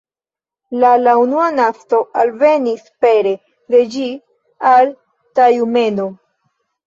La la unua nafto alvenis pere de ĝi al Tjumeno.